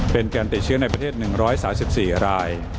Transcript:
เป็นการติดเชื้อในประเทศ๑๓๔ราย